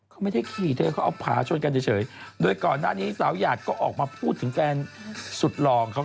เขาไม่ได้ขี่เธอเขาเอาผาชนกันเฉยโดยก่อนหน้านี้สาวหยาดก็ออกมาพูดถึงแฟนสุดหล่อของเขา